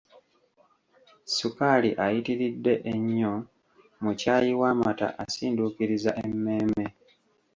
Ssukaali ayitiridde ennyo mu kyayi w'amata asinduukiriza emmeeme.